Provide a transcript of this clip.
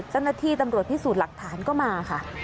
เจ้าหน้าที่ตำรวจพิสูจน์หลักฐานก็มาค่ะ